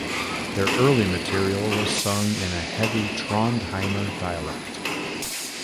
Their early material was sung in a heavy Trondheimer dialect.